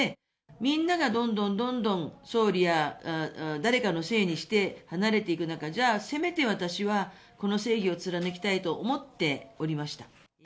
みんながどんどんどんどん総理や誰かのせいにして、離れていく中、じゃあ、攻めて私はこの正義を貫いていきたいと思っておりました。